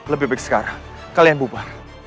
lebih baik sekarang kalian bubar